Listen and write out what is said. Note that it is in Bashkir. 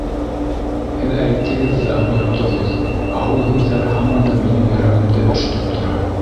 Һеҙ әйттегеҙ ҙә оноттоғоҙ, ә ул һүҙҙәр һаман да минең йөрәгемде өшөтөп тора!